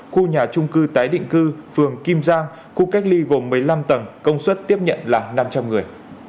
khu nhà trung cư tái định cư phường kim giang khu cách ly gồm một mươi năm tầng công suất tiếp nhận là năm trăm linh người